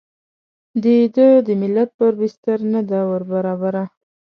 د ده د ملت پر بستر نه ده وربرابره.